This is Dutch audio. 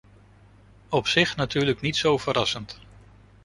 Op zich natuurlijk niet zo verrassend.